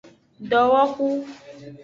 Dowoxu.